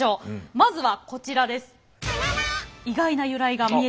まずはこちらです。